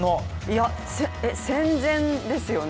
いや、戦前ですよね。